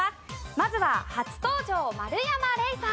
まずは初登場丸山礼さん。